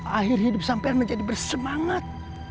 akhir hidup sampean menjadi bersemangat